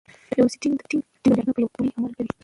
يو روسي ټېنک د مجاهدينو په يو ټولې حمله کوي